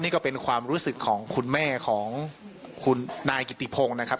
นี่ก็เป็นความรู้สึกของคุณแม่ของคุณนายกิติพงศ์นะครับ